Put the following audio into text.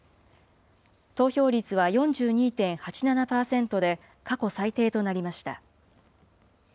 投票率は４２．８７％で過去最低となりました。